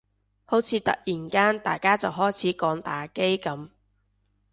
好似突然間大家就開始講打機噉